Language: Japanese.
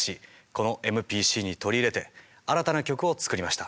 このＭＰＣに取り入れて新たな曲を作りました。